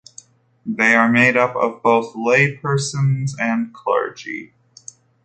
They are made up of both laypersons and clergy.